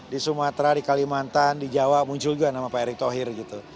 di sumatera di kalimantan di jawa muncul juga nama pak erick thohir gitu